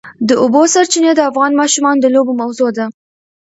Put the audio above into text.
د اوبو سرچینې د افغان ماشومانو د لوبو موضوع ده.